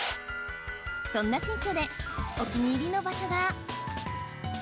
そんな新居でお気に入りの場所が。